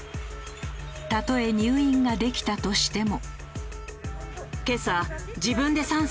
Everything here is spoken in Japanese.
たとえ入院ができたとしても。